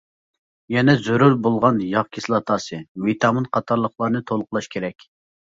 يەنە زۆرۈر بولغان ياغ كىسلاتاسى، ۋىتامىن قاتارلىقلارنى تولۇقلاش كېرەك.